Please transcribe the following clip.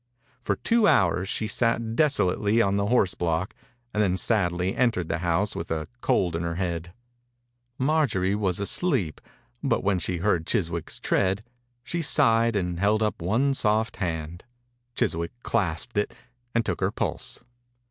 For two hours she sat desolately on the horse block and then sadly entered the house with a cold in her head. Marjorie was asleep, but when she heard Chiswick's tread she 82 THE INCUBATOR BABY sighed and held up one soft hand. Chiswick clasped it — and took her pulse.